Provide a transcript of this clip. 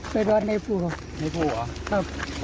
ผู้ชายคนนี้ท่าดูจาก